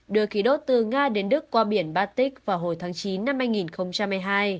đưa khí đốt từ nga đến đức qua biển batic vào hồi tháng chín năm hai nghìn hai mươi hai